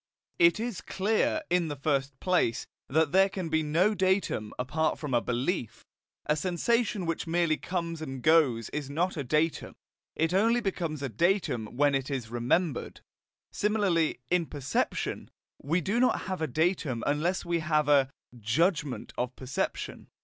It is clear, in the first place, that there can be no datum apart from a belief. A sensation which merely comes and goes is not a datum; it only becomes a datum when it is remembered. Similarly, in perception, we do not have a datum unless we have a JUDGMENT of perception.